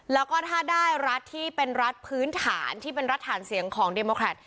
แล้วก็ถ้าได้รัฐที่เป็นรัฐพื้นฐานที่เป็นรัฐฐานเสียงของเดโมแครต